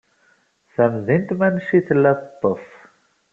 Tamdint manec i tella teṭṭes.